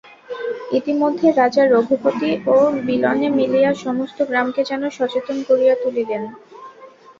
ইতিমধ্যে রাজা রঘুপতি ও বিল্বনে মিলিয়া সমস্ত গ্রামকে যেন সচেতন করিয়া তুলিলেন।